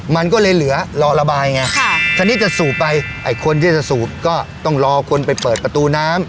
มันก็เลยเหลือรอระบายไงคราวนี้จะสูบไปไอ้คนที่จะสูบก็ต้องรอคนไปเปิดประตูน้ำ